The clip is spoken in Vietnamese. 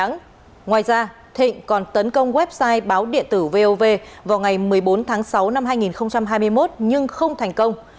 ngoài ra thịnh còn tấn công website báo điện tử vov vào ngày một mươi bốn tháng sáu năm hai nghìn hai mươi một nhưng không thành công